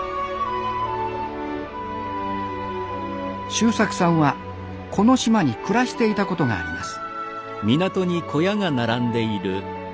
修策さんはこの島に暮らしていたことがあります。